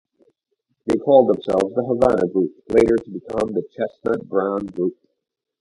They called themselves "The Havana Group", later to become "The Chestnut Brown Group".